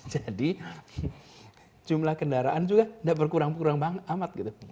jadi jumlah kendaraan juga tidak berkurang kurang banget